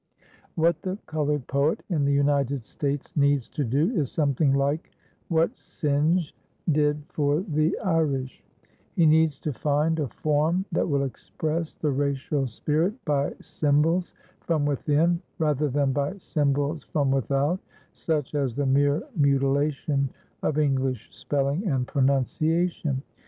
What the colored poet in the United States needs to do is something like what Synge did for the Irish; he needs to find a form that will express the racial spirit by symbols from within rather than by symbols from without, such as the mere mutilation of English spelling and pronunciation.